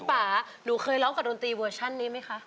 ผมเคยลองกับดนตรีเวอร์ชั่นนี้ไหมคะ